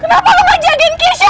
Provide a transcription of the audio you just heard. kenapa kamu menjaga keesokan saya